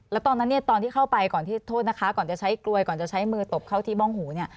แล้วตอนนั้นเนี่ยตอนที่เข้าไปก่อนที่โทษนะคะก่อนจะใช้กลวยก่อนจะใช้มือตบเข้าที่บ้องหูเนี่ย